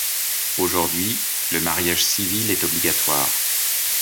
Aujourd'hui, le mariage civil est obligatoire.